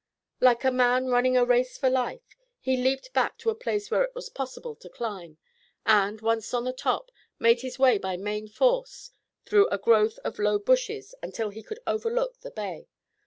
Like a man running a race for life, he leaped back to a place where it was possible to climb, and, once on the top, made his way by main force through a growth of low bushes until he could overlook the bay.